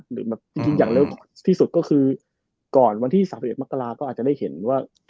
หรือแบบจริงอย่างเร็วก่อนที่สุดก็คือก่อนวันที่สรรพย์เกล็ดมะกราศอาจจะได้เห็นว่า